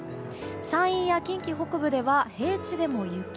山陰や近畿北部では平地でも雪。